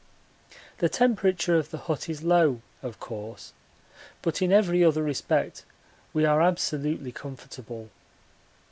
The temperature of the hut is low, of course, but in every other respect we are absolutely comfortable.